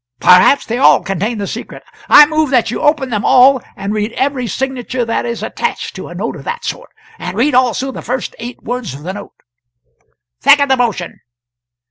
"Perhaps they all contain the secret. I move that you open them all and read every signature that is attached to a note of that sort and read also the first eight words of the note." "Second the motion!"